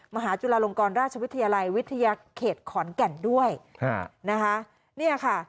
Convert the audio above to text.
มหาจุฬาลงกรราชวิทยาลัยวิทยาเขตขอนแก่นด้วยนะคะ